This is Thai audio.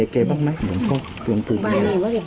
ไม่ยากจับมีผิดขายไป